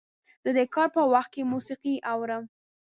زه د کار په وخت کې موسیقي اورم.